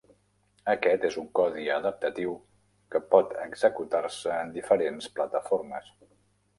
Aquest és un codi adaptatiu que pot executar-se en diferents plataformes.